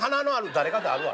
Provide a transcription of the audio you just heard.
「誰かてあるわ。